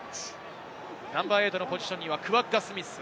ナンバー８のポジションにはクワッガ・スミス。